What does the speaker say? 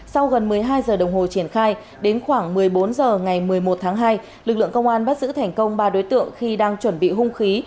sau gần một mươi hai giờ đồng hồ triển khai đến khoảng một mươi bốn h ngày một mươi một tháng hai lực lượng công an bắt giữ thành công ba đối tượng khi đang chuẩn bị hung khí